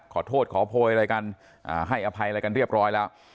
ขอโทษขอโพยอะไรกันให้อภัยอะไรกันเรียบร้อยแล้ว